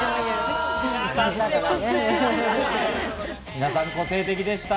皆さん個性的でした。